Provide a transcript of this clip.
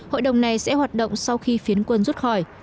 hội đồng này sẽ hoạt động sau khi phiến quân rút khỏi